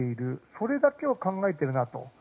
それだけを考えているなと。